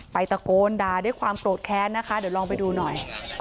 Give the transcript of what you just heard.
ตะโกนด่าด้วยความโกรธแค้นนะคะเดี๋ยวลองไปดูหน่อย